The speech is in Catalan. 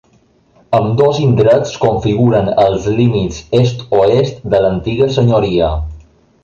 Ambdós indrets configuren els límits est-oest de l'antiga senyoria.